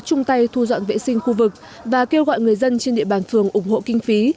chung tay thu dọn vệ sinh khu vực và kêu gọi người dân trên địa bàn phường ủng hộ kinh phí